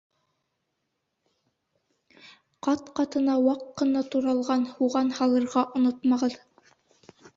Ҡат-ҡатына ваҡ ҡына туралған һуған һалырға онотмағыҙ